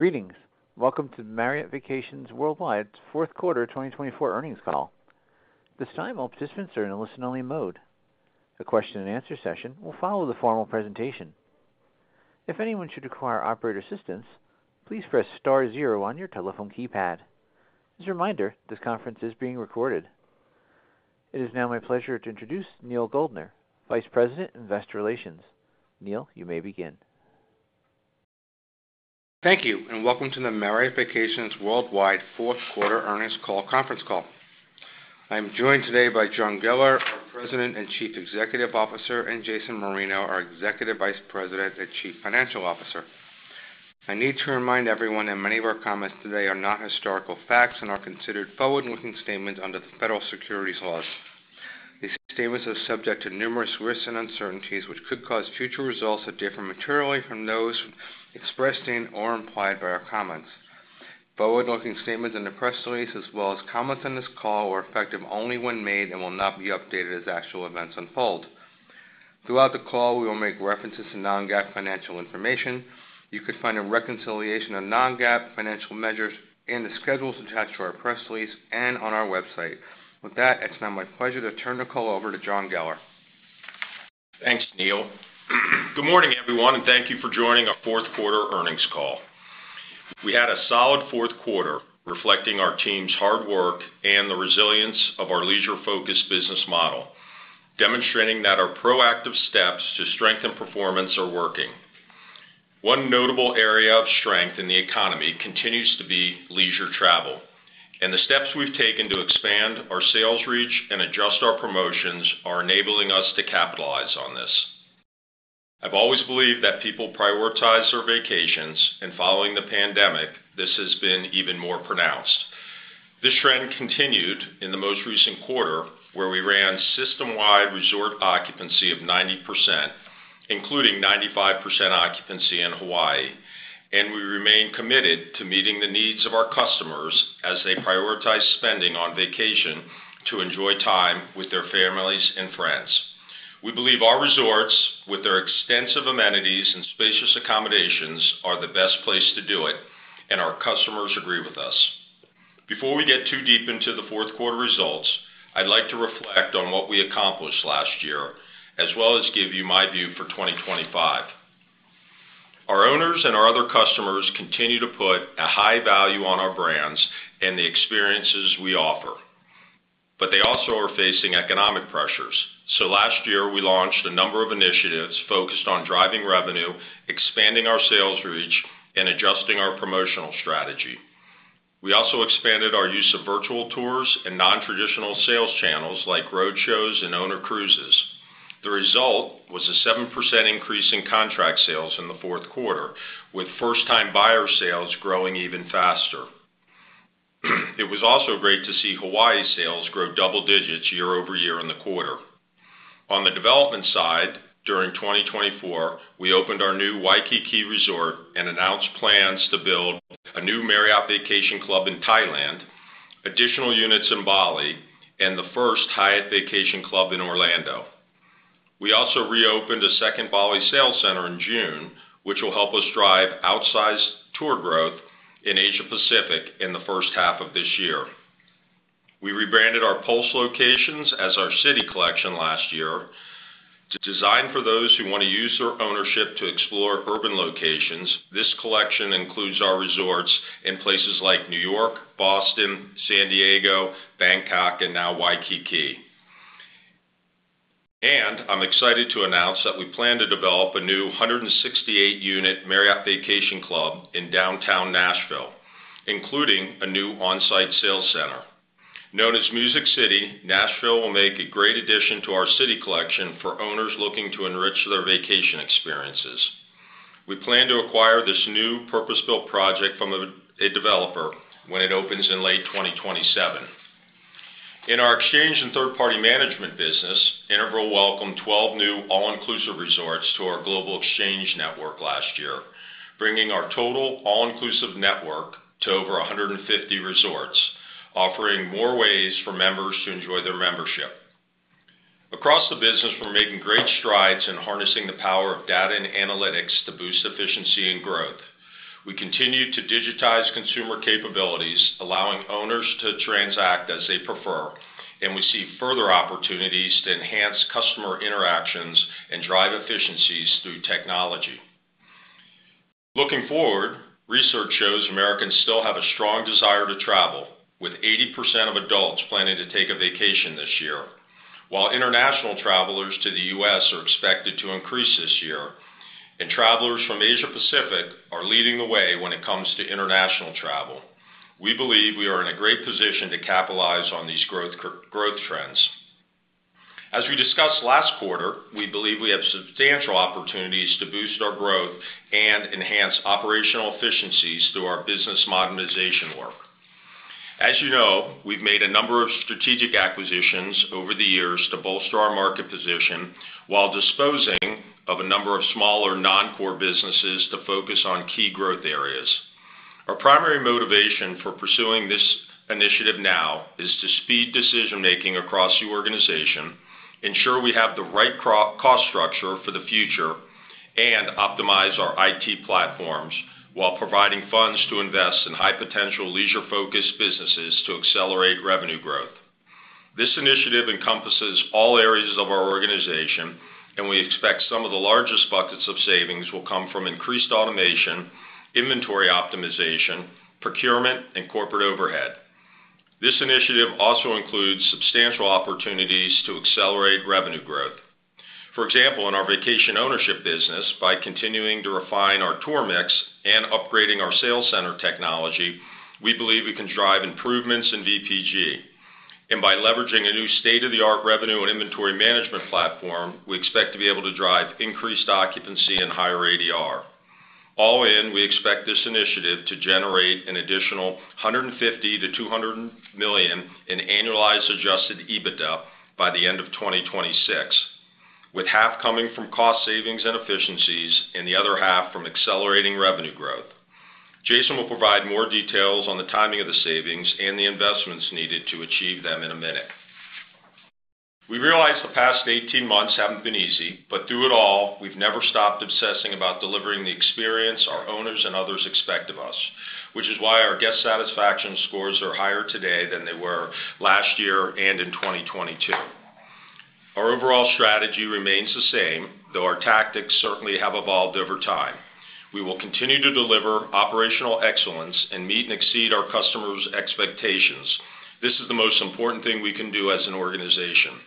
Greetings. Welcome to the Marriott Vacations Worldwide Fourth Quarter 2024 Earnings Call. This time all participants are in a listen-only mode. The question-and-answer session will follow the formal presentation. If anyone should require operator assistance, please press star zero on your telephone keypad. As a reminder, this conference is being recorded. It is now my pleasure to introduce Neal Goldner, Vice President, Investor Relations. Neal, you may begin. Thank you and welcome to the Marriott Vacations Worldwide Fourth Quarter earnings call conference call. I'm joined today by John Geller, our President and Chief Executive Officer, and Jason Marino, our Executive Vice President and Chief Financial Officer. I need to remind everyone that many of our comments today are not historical facts and are considered forward-looking statements under the federal securities laws. These statements are subject to numerous risks and uncertainties which could cause future results to differ materially from those expressed in or implied by our comments. Forward-looking statements in the press release, as well as comments on this call, are effective only when made and will not be updated as actual events unfold. Throughout the call, we will make references to non-GAAP financial information. You could find a reconciliation of non-GAAP financial measures in the schedules attached to our press release and on our website. With that, it's now my pleasure to turn the call over to John Geller. Thanks, Neal. Good morning, everyone, and thank you for joining our Fourth Quarter earnings call. We had a solid fourth quarter reflecting our team's hard work and the resilience of our leisure-focused business model, demonstrating that our proactive steps to strengthen performance are working. One notable area of strength in the economy continues to be leisure travel, and the steps we've taken to expand our sales reach and adjust our promotions are enabling us to capitalize on this. I've always believed that people prioritize their vacations, and following the pandemic, this has been even more pronounced. This trend continued in the most recent quarter, where we ran system-wide resort occupancy of 90%, including 95% occupancy in Hawaii, and we remain committed to meeting the needs of our customers as they prioritize spending on vacation to enjoy time with their families and friends. We believe our resorts, with their extensive amenities and spacious accommodations, are the best place to do it, and our customers agree with us. Before we get too deep into the fourth quarter results, I'd like to reflect on what we accomplished last year, as well as give you my view for 2025. Our owners and our other customers continue to put a high value on our brands and the experiences we offer, but they also are facing economic pressures. So last year, we launched a number of initiatives focused on driving revenue, expanding our sales reach, and adjusting our promotional strategy. We also expanded our use of virtual tours and non-traditional sales channels like roadshows and owner cruises. The result was a 7% increase in contract sales in the fourth quarter, with first-time buyer sales growing even faster. It was also great to see Hawaii sales grow double digits year-over-year in the quarter. On the development side, during 2024, we opened our new Waikiki resort and announced plans to build a new Marriott Vacation Club in Thailand, additional units in Bali, and the first Hyatt Vacation Club in Orlando. We also reopened a second Bali sales center in June, which will help us drive outsized tour growth in Asia-Pacific in the first half of this year. We rebranded our Pulse locations as our City Collection last year. Designed for those who want to use their ownership to explore urban locations, this collection includes our resorts in places like New York, Boston, San Diego, Bangkok, and now Waikiki. And I'm excited to announce that we plan to develop a new 168-unit Marriott Vacation Club in downtown Nashville, including a new on-site sales center. Known as Music City, Nashville will make a great addition to our City Collection for owners looking to enrich their vacation experiences. We plan to acquire this new purpose-built project from a developer when it opens in late 2027. In our exchange and third-party management business, Interval welcomed 12 new all-inclusive resorts to our global exchange network last year, bringing our total all-inclusive network to over 150 resorts, offering more ways for members to enjoy their membership. Across the business, we're making great strides in harnessing the power of data and analytics to boost efficiency and growth. We continue to digitize consumer capabilities, allowing owners to transact as they prefer, and we see further opportunities to enhance customer interactions and drive efficiencies through technology. Looking forward, research shows Americans still have a strong desire to travel, with 80% of adults planning to take a vacation this year, while international travelers to the U.S. are expected to increase this year, and travelers from Asia-Pacific are leading the way when it comes to international travel. We believe we are in a great position to capitalize on these growth trends. As we discussed last quarter, we believe we have substantial opportunities to boost our growth and enhance operational efficiencies through our business modernization work. As you know, we've made a number of strategic acquisitions over the years to bolster our market position while disposing of a number of smaller non-core businesses to focus on key growth areas. Our primary motivation for pursuing this initiative now is to speed decision-making across the organization, ensure we have the right cost structure for the future, and optimize our IT platforms while providing funds to invest in high-potential leisure-focused businesses to accelerate revenue growth. This initiative encompasses all areas of our organization, and we expect some of the largest buckets of savings will come from increased automation, inventory optimization, procurement, and corporate overhead. This initiative also includes substantial opportunities to accelerate revenue growth. For example, in our vacation ownership business, by continuing to refine our tour mix and upgrading our sales center technology, we believe we can drive improvements in VPG. And by leveraging a new state-of-the-art revenue and inventory management platform, we expect to be able to drive increased occupancy and higher ADR. All in, we expect this initiative to generate an additional $150 million-$200 million in annualized Adjusted EBITDA by the end of 2026, with half coming from cost savings and efficiencies and the other half from accelerating revenue growth. Jason will provide more details on the timing of the savings and the investments needed to achieve them in a minute. We realize the past 18 months haven't been easy, but through it all, we've never stopped obsessing about delivering the experience our owners and others expect of us, which is why our guest satisfaction scores are higher today than they were last year and in 2022. Our overall strategy remains the same, though our tactics certainly have evolved over time. We will continue to deliver operational excellence and meet and exceed our customers' expectations. This is the most important thing we can do as an organization.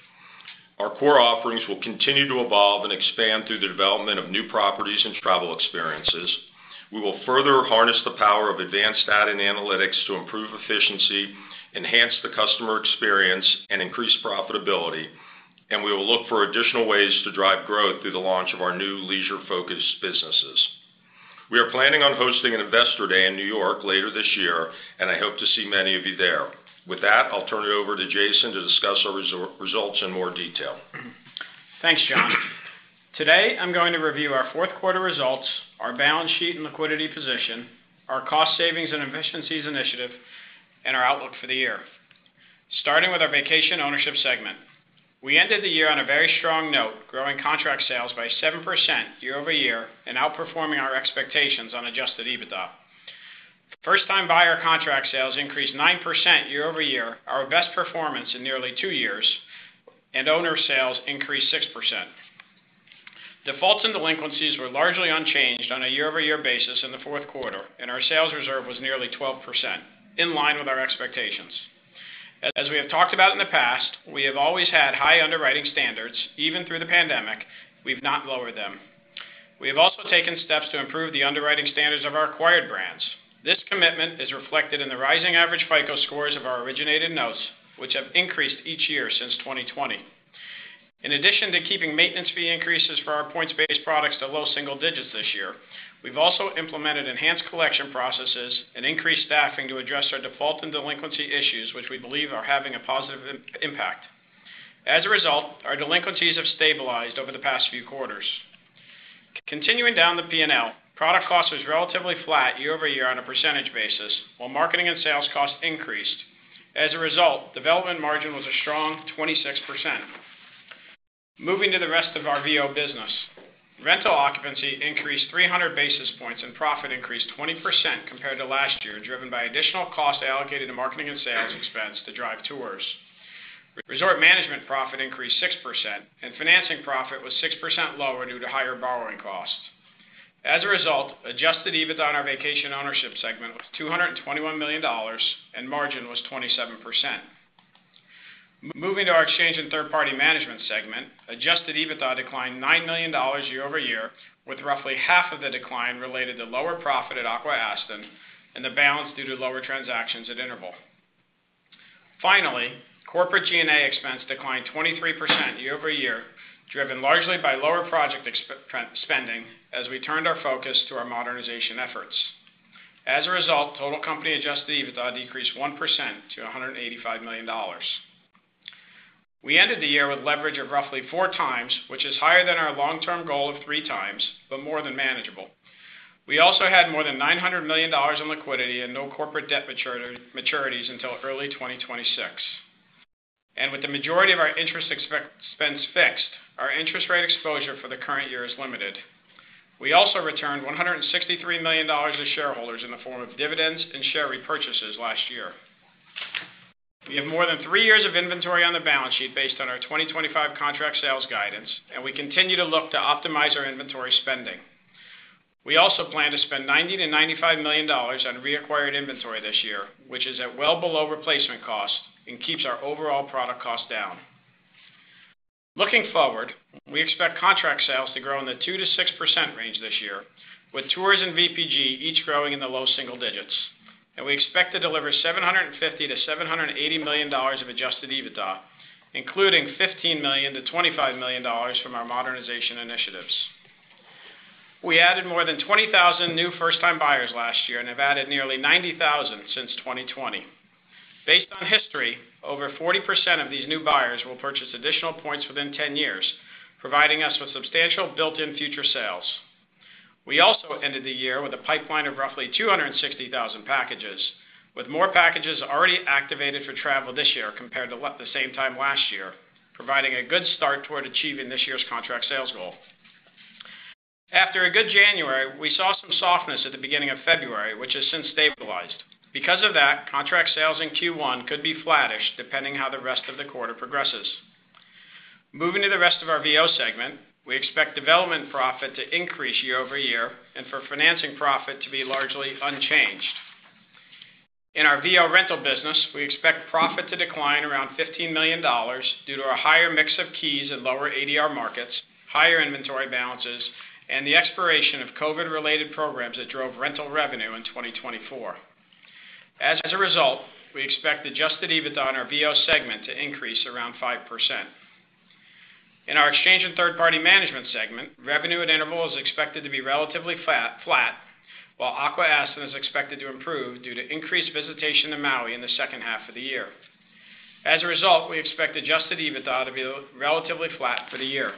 Our core offerings will continue to evolve and expand through the development of new properties and travel experiences. We will further harness the power of advanced data and analytics to improve efficiency, enhance the customer experience, and increase profitability, and we will look for additional ways to drive growth through the launch of our new leisure-focused businesses. We are planning on hosting an Investor Day in New York later this year, and I hope to see many of you there. With that, I'll turn it over to Jason to discuss our results in more detail. Thanks, John. Today, I'm going to review our fourth quarter results, our balance sheet and liquidity position, our cost savings and efficiencies initiative, and our outlook for the year. Starting with our Vacation Ownership segment, we ended the year on a very strong note, growing contract sales by 7% year-over-year and outperforming our expectations on Adjusted EBITDA. First-time buyer contract sales increased 9% year-over-year, our best performance in nearly two years, and owner sales increased 6%. Defaults and delinquencies were largely unchanged on a year-over-year basis in the fourth quarter, and our sales reserve was nearly 12%, in line with our expectations. As we have talked about in the past, we have always had high underwriting standards, even through the pandemic. We've not lowered them. We have also taken steps to improve the underwriting standards of our acquired brands. This commitment is reflected in the rising average FICO scores of our originated notes, which have increased each year since 2020. In addition to keeping maintenance fee increases for our points-based products to low single digits this year, we've also implemented enhanced collection processes and increased staffing to address our default and delinquency issues, which we believe are having a positive impact. As a result, our delinquencies have stabilized over the past few quarters. Continuing down the P&L, product cost was relatively flat year-over-year on a percentage basis, while marketing and sales cost increased. As a result, development margin was a strong 26%. Moving to the rest of our VO business, rental occupancy increased 300 basis points and profit increased 20% compared to last year, driven by additional cost allocated to marketing and sales expense to drive tours. Resort management profit increased 6%, and financing profit was 6% lower due to higher borrowing costs. As a result, Adjusted EBITDA on our vacation ownership segment was $221 million, and margin was 27%. Moving to our Exchange and Third-Party Management segment, Adjusted EBITDA declined $9 million year-over-year, with roughly half of the decline related to lower profit at Aqua-Aston and the balance due to lower transactions at Interval. Finally, corporate G&A expense declined 23% year-over-year, driven largely by lower project spending as we turned our focus to our modernization efforts. As a result, total company Adjusted EBITDA decreased 1% to $185 million. We ended the year with leverage of roughly four times, which is higher than our long-term goal of three times, but more than manageable. We also had more than $900 million in liquidity and no corporate debt maturities until early 2026. With the majority of our interest expense fixed, our interest rate exposure for the current year is limited. We also returned $163 million to shareholders in the form of dividends and share repurchases last year. We have more than three years of inventory on the balance sheet based on our 2025 contract sales guidance, and we continue to look to optimize our inventory spending. We also plan to spend $90 million-$95 million on reacquired inventory this year, which is well below replacement cost and keeps our overall product cost down. Looking forward, we expect contract sales to grow in the 2%-6% range this year, with tours and VPG each growing in the low single digits. We expect to deliver $750 million-$780 million of Adjusted EBITDA, including $15 million-$25 million from our modernization initiatives. We added more than 20,000 new first-time buyers last year and have added nearly 90,000 since 2020. Based on history, over 40% of these new buyers will purchase additional points within 10 years, providing us with substantial built-in future sales. We also ended the year with a pipeline of roughly 260,000 packages, with more packages already activated for travel this year compared to the same time last year, providing a good start toward achieving this year's contract sales goal. After a good January, we saw some softness at the beginning of February, which has since stabilized. Because of that, contract sales in Q1 could be flattish depending on how the rest of the quarter progresses. Moving to the rest of our VO segment, we expect development profit to increase year-over-year and for financing profit to be largely unchanged. In our VO rental business, we expect profit to decline around $15 million due to a higher mix of keys and lower ADR markets, higher inventory balances, and the expiration of COVID-related programs that drove rental revenue in 2024. As a result, we expect Adjusted EBITDA on our VO segment to increase around 5%. In our exchange and third-party management segment, revenue at Interval is expected to be relatively flat, while Aqua-Aston is expected to improve due to increased visitation to Maui in the second half of the year. As a result, we expect Adjusted EBITDA to be relatively flat for the year.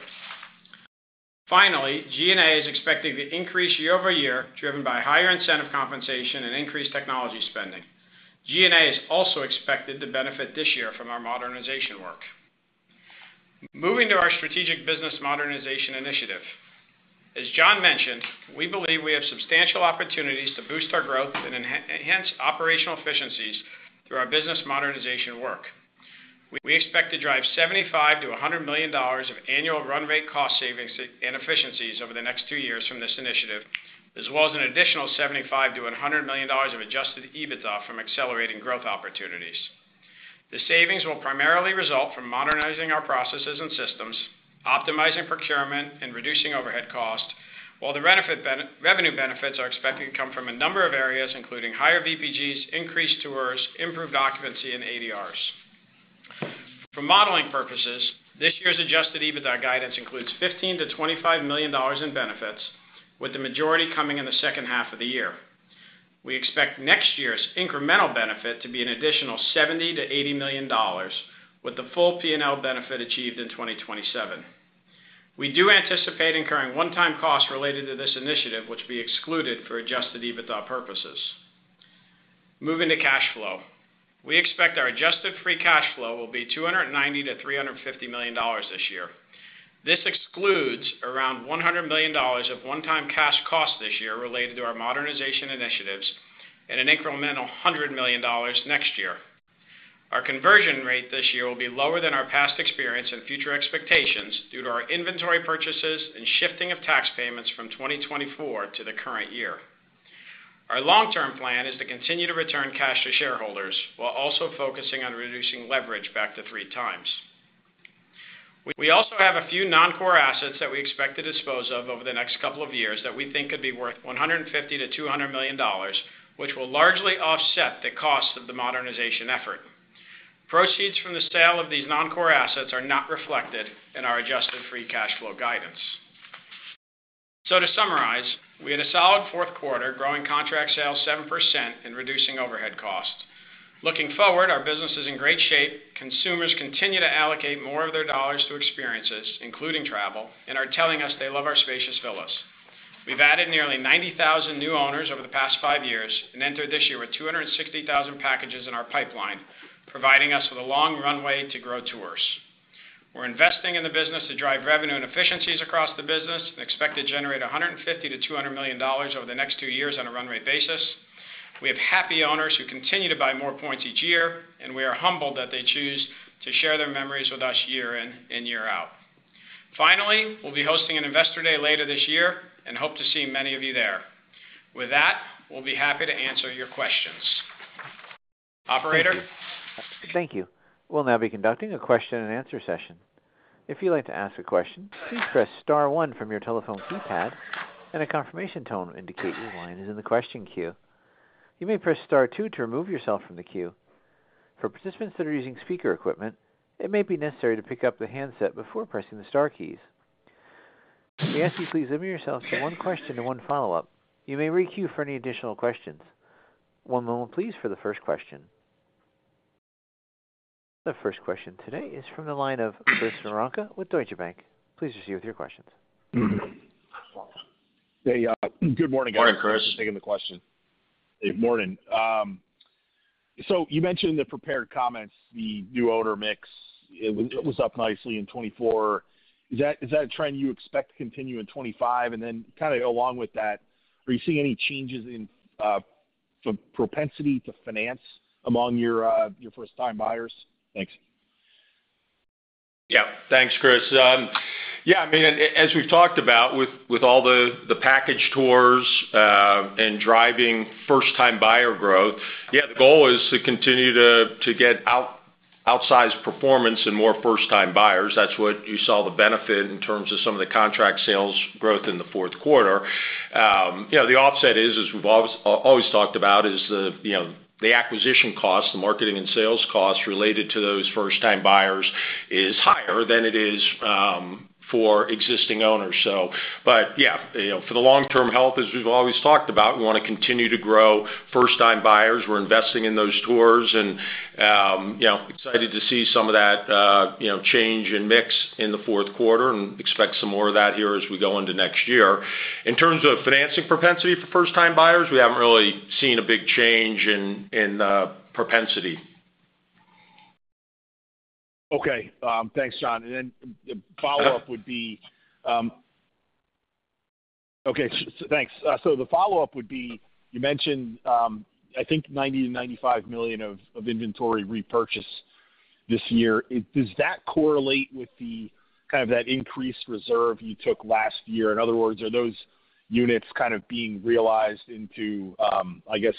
Finally, G&A is expected to increase year-over-year, driven by higher incentive compensation and increased technology spending. G&A is also expected to benefit this year from our modernization work. Moving to our Strategic Business Modernization Initiative. As John mentioned, we believe we have substantial opportunities to boost our growth and enhance operational efficiencies through our business modernization work. We expect to drive $75 million-$100 million of annual run rate cost savings and efficiencies over the next two years from this initiative, as well as an additional $75 million-$100 million of Adjusted EBITDA from accelerating growth opportunities. The savings will primarily result from modernizing our processes and systems, optimizing procurement, and reducing overhead costs, while the revenue benefits are expected to come from a number of areas, including higher VPGs, increased tours, improved occupancy, and ADRs. For modeling purposes, this year's Adjusted EBITDA guidance includes $15 million-$25 million in benefits, with the majority coming in the second half of the year. We expect next year's incremental benefit to be an additional $70 million-$80 million, with the full P&L benefit achieved in 2027. We do anticipate incurring one-time costs related to this initiative, which will be excluded for Adjusted EBITDA purposes. Moving to cash flow, we expect our Adjusted Free Cash Flow will be $290 million-$350 million this year. This excludes around $100 million of one-time cash costs this year related to our modernization initiatives and an incremental $100 million next year. Our conversion rate this year will be lower than our past experience and future expectations due to our inventory purchases and shifting of tax payments from 2024 to the current year. Our long-term plan is to continue to return cash to shareholders while also focusing on reducing leverage back to three times. We also have a few non-core assets that we expect to dispose of over the next couple of years that we think could be worth $150 million-$200 million, which will largely offset the cost of the modernization effort. Proceeds from the sale of these non-core assets are not reflected in our adjusted free cash flow guidance. So, to summarize, we had a solid fourth quarter, growing contract sales 7% and reducing overhead costs. Looking forward, our business is in great shape. Consumers continue to allocate more of their dollars to experiences, including travel, and are telling us they love our spacious villas. We've added nearly 90,000 new owners over the past five years and entered this year with 260,000 packages in our pipeline, providing us with a long runway to grow tours. We're investing in the business to drive revenue and efficiencies across the business and expect to generate $150 million-$200 million over the next two years on a run-rate basis. We have happy owners who continue to buy more points each year, and we are humbled that they choose to share their memories with us year in and year out. Finally, we'll be hosting an Investor Day later this year and hope to see many of you there. With that, we'll be happy to answer your questions. Operator. Thank you. We'll now be conducting a question-and-answer session. If you'd like to ask a question, please press star one from your telephone keypad, and a confirmation tone will indicate your line is in the question queue. You may press star two to remove yourself from the queue. For participants that are using speaker equipment, it may be necessary to pick up the handset before pressing the star keys. We ask you to please limit yourself to one question and one follow-up. You may re-queue for any additional questions. One moment, please, for the first question. The first question today is from the line of Chris Woronka with Deutsche Bank. Please proceed with your questions. Hey, good morning, guys. Morning, Chris. Thanks for taking the question. Good morning, so you mentioned the prepared comments, the new owner mix. It was up nicely in 2024. Is that a trend you expect to continue in 2025, and then kind of along with that, are you seeing any changes in propensity to finance among your first-time buyers? Thanks. Yeah. Thanks, Chris. Yeah, I mean, as we've talked about with all the package tours and driving first-time buyer growth, yeah, the goal is to continue to get outsized performance and more first-time buyers. That's what you saw the benefit in terms of some of the contract sales growth in the fourth quarter. The offset is, as we've always talked about, is the acquisition cost, the marketing and sales cost related to those first-time buyers is higher than it is for existing owners. But yeah, for the long-term health, as we've always talked about, we want to continue to grow first-time buyers. We're investing in those tours and excited to see some of that change and mix in the fourth quarter and expect some more of that here as we go into next year. In terms of financing propensity for first-time buyers, we haven't really seen a big change in propensity. Okay. Thanks, John. So the follow-up would be you mentioned, I think, $90 million-$95 million of inventory repurchase this year. Does that correlate with kind of that increased reserve you took last year? In other words, are those units kind of being realized into, I guess,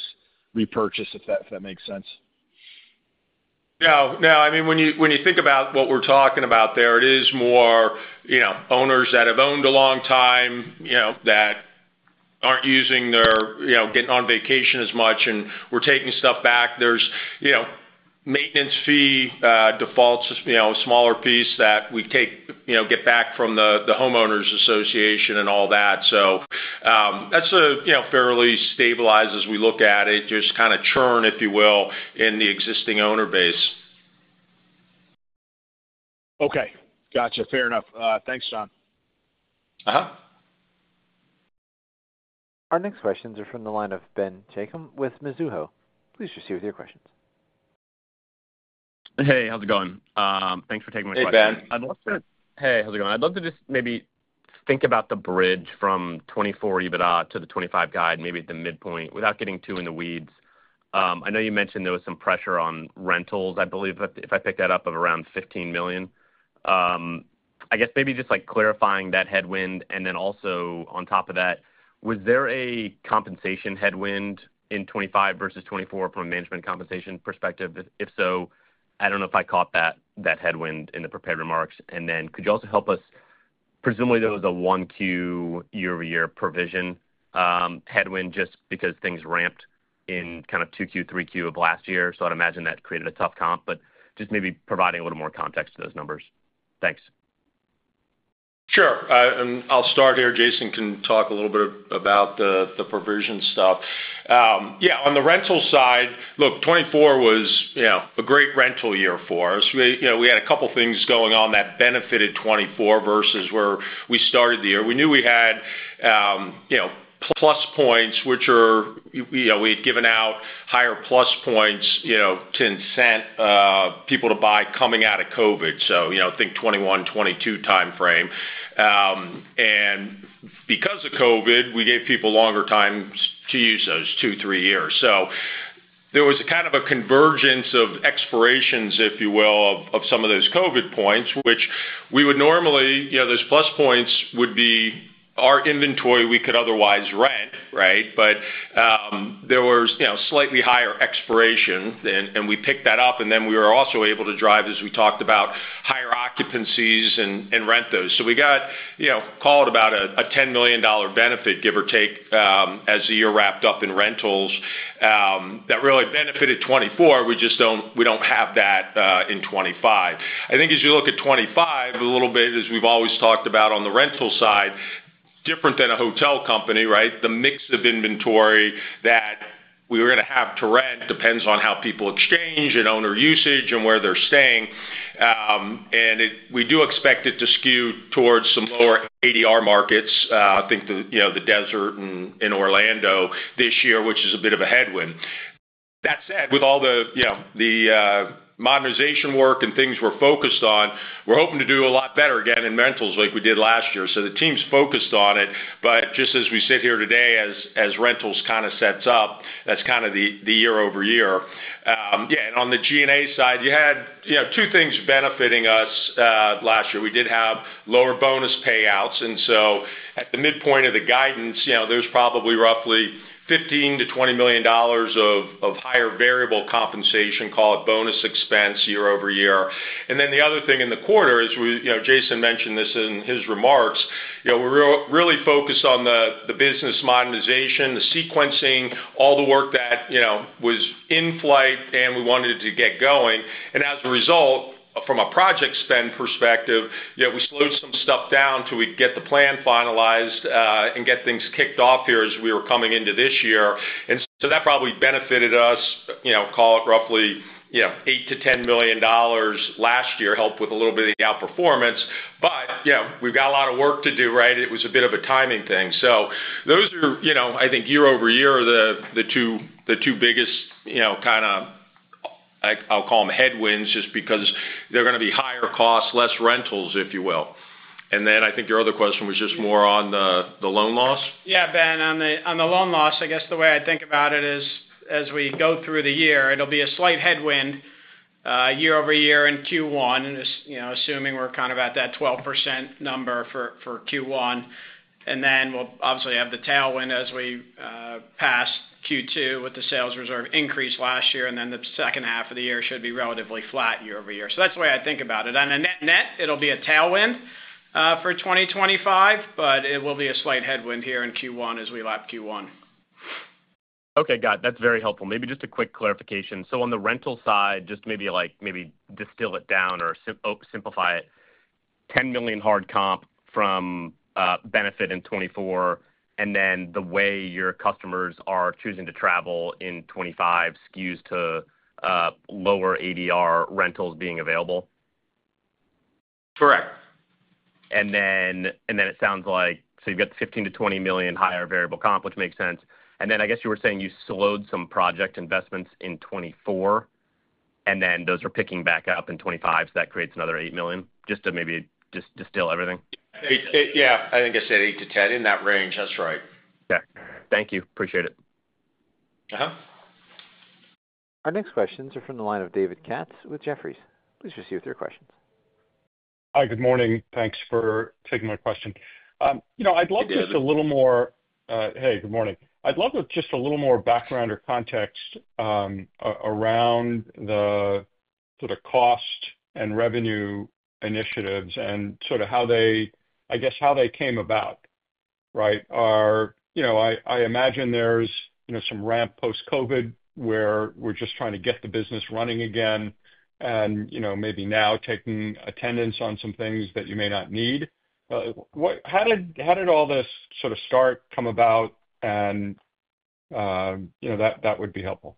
repurchase, if that makes sense? No. No. I mean, when you think about what we're talking about there, it is more owners that have owned a long time that aren't using their getting on vacation as much and we're taking stuff back. There's maintenance fee defaults, a smaller piece that we get back from the homeowners association and all that. So that's fairly stabilized as we look at it, just kind of churn, if you will, in the existing owner base. Okay. Gotcha. Fair enough. Thanks, John. Our next questions are from the line of Ben Chaiken with Mizuho. Please proceed with your questions. Hey, how's it going? Thanks for taking my question. Hey, Ben. Hey, how's it going? I'd love to just maybe think about the bridge from 2024 EBITDA to the 2025 guide, maybe at the midpoint, without getting too in the weeds. I know you mentioned there was some pressure on rentals, I believe, if I pick that up, of around $15 million. I guess maybe just clarifying that headwind. And then also on top of that, was there a compensation headwind in 2025 versus 2024 from a management compensation perspective? If so, I don't know if I caught that headwind in the prepared remarks. And then could you also help us? Presumably, there was a Q1 year-over-year provision headwind just because things ramped in kind of Q2, Q3 of last year. So I'd imagine that created a tough comp, but just maybe providing a little more context to those numbers. Thanks. Sure. And I'll start here. Jason can talk a little bit about the provision stuff. Yeah. On the rental side, look, 2024 was a great rental year for us. We had a couple of things going on that benefited 2024 versus where we started the year. We knew we had PlusPoints, which we had given out higher PlusPoints to incent people to buy coming out of COVID. So I think 2021, 2022 timeframe. And because of COVID, we gave people longer time to use those, two, three years. So there was kind of a convergence of expirations, if you will, of some of those COVID points, which we would normally those plus points would be our inventory we could otherwise rent, right? But there was slightly higher expiration, and we picked that up. And then we were also able to drive, as we talked about, higher occupancies and rent those. So we called about a $10 million benefit, give or take, as the year wrapped up in rentals that really benefited 2024. We don't have that in 2025. I think as you look at 2025, a little bit, as we've always talked about on the rental side, different than a hotel company, right? The mix of inventory that we were going to have to rent depends on how people exchange and owner usage and where they're staying. And we do expect it to skew towards some lower ADR markets. I think the desert in Orlando this year, which is a bit of a headwind. That said, with all the modernization work and things we're focused on, we're hoping to do a lot better again in rentals like we did last year. The team's focused on it. But just as we sit here today, as rentals kind of sets up, that's kind of the year-over-year. Yeah. And on the G&A side, you had two things benefiting us last year. We did have lower bonus payouts. And so at the midpoint of the guidance, there's probably roughly $15 million-$20 million of higher variable compensation, call it bonus expense year-over-year. And then the other thing in the quarter, as Jason mentioned this in his remarks, we really focused on the business modernization, the sequencing, all the work that was in flight, and we wanted to get going. And as a result, from a project spend perspective, we slowed some stuff down until we'd get the plan finalized and get things kicked off here as we were coming into this year. And so that probably benefited us, call it roughly $8 million-$10 million last year, helped with a little bit of the outperformance. But we've got a lot of work to do, right? It was a bit of a timing thing. So those are, I think, year-over-year, the two biggest kind of, I'll call them headwinds, just because they're going to be higher costs, less rentals, if you will. And then I think your other question was just more on the loan loss? Yeah, Ben. On the loan loss, I guess the way I think about it is, as we go through the year, it'll be a slight headwind year-over-year in Q1, assuming we're kind of at that 12% number for Q1. And then we'll obviously have the tailwind as we pass Q2 with the sales reserve increase last year. And then the second half of the year should be relatively flat year-over-year. So that's the way I think about it. And then net, it'll be a tailwind for 2025, but it will be a slight headwind here in Q1 as we lap Q1. Okay. Got it. That's very helpful. Maybe just a quick clarification. So on the rental side, just maybe distill it down or simplify it. $10 million hard comp from benefit in 2024, and then the way your customers are choosing to travel in 2025 skews to lower ADR rentals being available? Correct. And then it sounds like so you've got the $15 million-$20 million higher variable comp, which makes sense. And then I guess you were saying you slowed some project investments in 2024, and then those are picking back up in 2025. So that creates another $8 million. Just to maybe distill everything. Yeah. I think I said $8-$10 in that range. That's right. Okay. Thank you. Appreciate it. Our next questions are from the line of David Katz with Jefferies. Please proceed with your questions. Hi. Good morning. Thanks for taking my question. I'd love just a little more background or context around the cost and revenue initiatives and sort of how they, I guess, came about, right? I imagine there's some ramp post-COVID where we're just trying to get the business running again and maybe now taking attendance on some things that you may not need. How did all this sort of start, come about? And that would be helpful.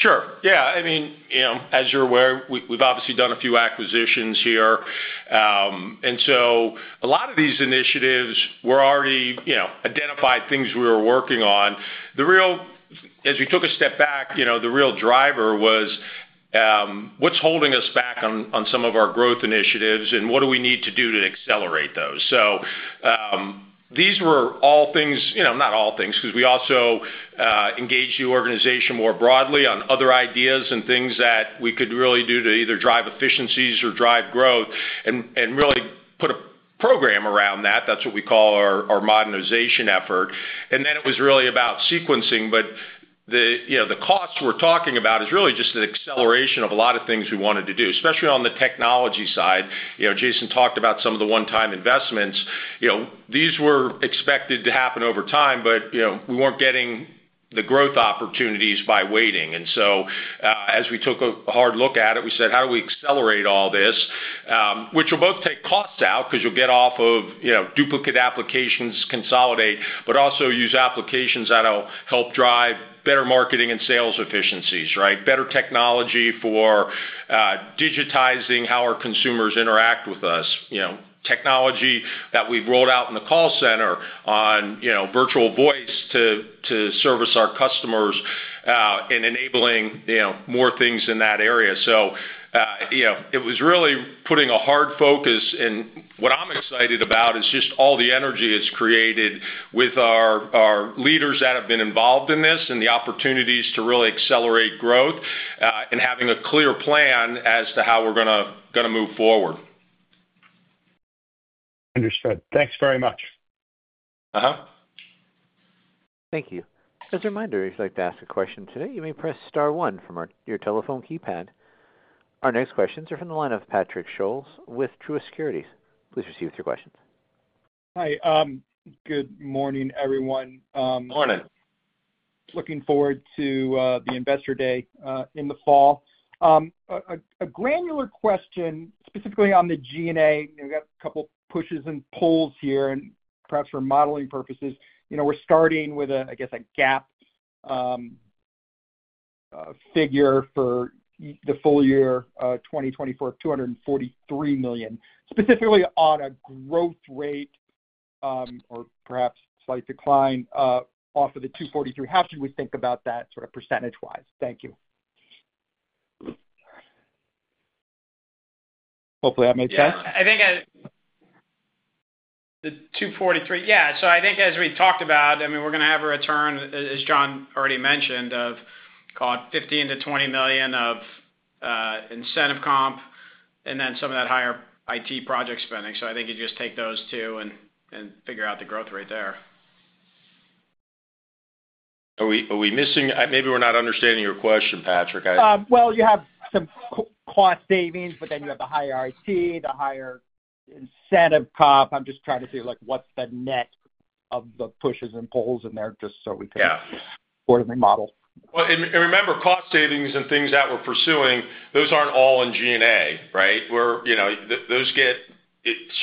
Sure. Yeah. I mean, as you're aware, we've obviously done a few acquisitions here, and so a lot of these initiatives, we're already identified things we were working on. As we took a step back, the real driver was what's holding us back on some of our growth initiatives and what do we need to do to accelerate those, so these were all things not all things because we also engaged the organization more broadly on other ideas and things that we could really do to either drive efficiencies or drive growth and really put a program around that. That's what we call our modernization effort, and then it was really about sequencing, but the costs we're talking about is really just an acceleration of a lot of things we wanted to do, especially on the technology side. Jason talked about some of the one-time investments. These were expected to happen over time, but we weren't getting the growth opportunities by waiting, and so as we took a hard look at it, we said, "How do we accelerate all this?" which will both take costs out because you'll get off of duplicate applications, consolidate, but also use applications that'll help drive better marketing and sales efficiencies, right? Better technology for digitizing how our consumers interact with us, technology that we've rolled out in the call center on virtual voice to service our customers and enabling more things in that area, so it was really putting a hard focus, and what I'm excited about is just all the energy it's created with our leaders that have been involved in this and the opportunities to really accelerate growth and having a clear plan as to how we're going to move forward. Understood. Thanks very much. Thank you. As a reminder, if you'd like to ask a question today, you may press star one from your telephone keypad. Our next questions are from the line of Patrick Scholes with Truist Securities. Please proceed with your questions. Hi. Good morning, everyone. Good morning. Looking forward to the Investor Day in the fall. A granular question specifically on the G&A. We've got a couple of pushes and pulls here and perhaps for modeling purposes. We're starting with, I guess, a G&A figure for the full year 2024 of $243 million, specifically on a growth rate or perhaps slight decline off of the $243. How should we think about that sort of percentage-wise? Thank you. Hopefully, that makes sense. Yeah. I think the $243, yeah. So I think as we talked about, I mean, we're going to have a return, as John already mentioned, of call it $15 million-$20 million of incentive comp and then some of that higher IT project spending. So I think you just take those two and figure out the growth rate there. Are we missing? Maybe we're not understanding your question, Patrick. You have some cost savings, but then you have the higher IT, the higher incentive comp. I'm just trying to see what's the net of the pushes and pulls in there just so we can accordingly model. Well, and remember, cost savings and things that we're pursuing, those aren't all in G&A, right? Those get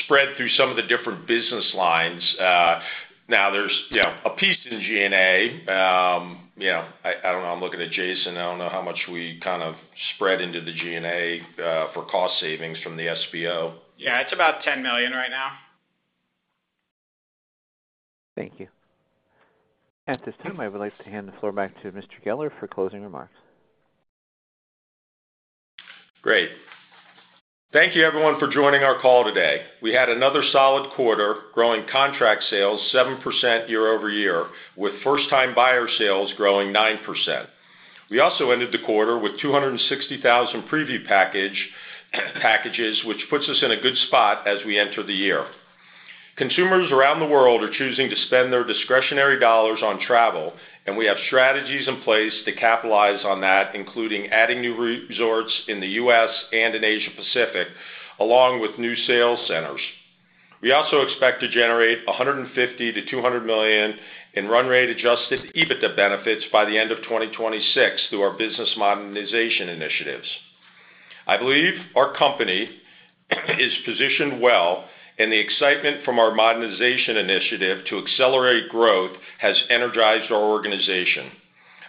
spread through some of the different business lines. Now, there's a piece in G&A. I don't know. I'm looking at Jason. I don't know how much we kind of spread into the G&A for cost savings from the SBO. Yeah. It's about $10 million right now. Thank you. At this time, I would like to hand the floor back to Mr. Geller for closing remarks. Great. Thank you, everyone, for joining our call today. We had another solid quarter, growing contract sales 7% year-over-year, with first-time buyer sales growing 9%. We also ended the quarter with 260,000 preview packages, which puts us in a good spot as we enter the year. Consumers around the world are choosing to spend their discretionary dollars on travel, and we have strategies in place to capitalize on that, including adding new resorts in the U.S. and in Asia-Pacific, along with new sales centers. We also expect to generate $150 million-$200 million in run-rate Adjusted EBITDA benefits by the end of 2026 through our business modernization initiatives. I believe our company is positioned well, and the excitement from our modernization initiative to accelerate growth has energized our organization.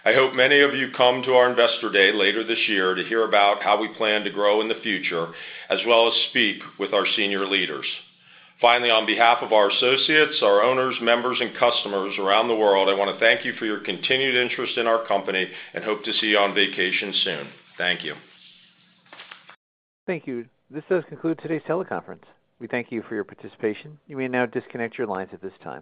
I hope many of you come to our investor Day later this year to hear about how we plan to grow in the future, as well as speak with our senior leaders. Finally, on behalf of our associates, our owners, members, and customers around the world, I want to thank you for your continued interest in our company and hope to see you on vacation soon. Thank you. Thank you. This does conclude today's teleconference. We thank you for your participation. You may now disconnect your lines at this time.